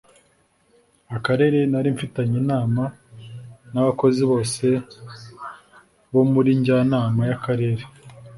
Akarere nari mfitanye inama nabakozi bose bo muri njyanama yakarere